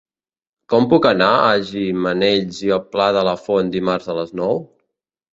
Com puc anar a Gimenells i el Pla de la Font dimarts a les nou?